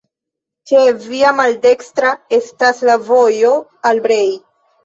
Ĉe via maldekstra estas la vojo al Brej.